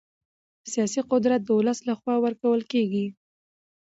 سیاسي قدرت د ولس له خوا ورکول کېږي